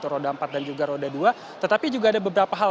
roda empat dan juga roda dua tetapi juga ada beberapa hal